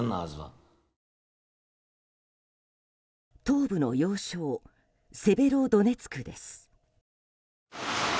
東部の要衝セベロドネツクです。